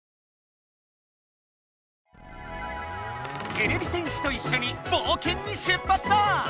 てれび戦士といっしょにぼうけんに出発だ！